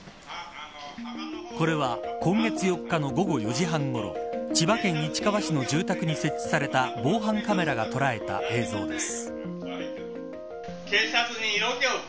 これは今月４日の午後４時半ごろ千葉県市原市の住宅に設置された防犯カメラが捉えた映像です。